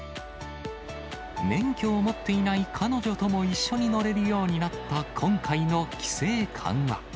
免許を持っていない彼女とも一緒に乗れるようになった今回の規制緩和。